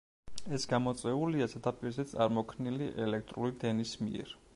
ეს გამოწვეულია ზედაპირზე წარმოქნილი ელექტრული დენის მიერ.